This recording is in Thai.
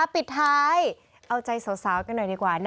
ปิดท้ายเอาใจสาวกันหน่อยดีกว่า